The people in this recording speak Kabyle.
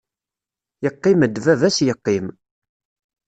Yeqqim-d baba-s yeqqim.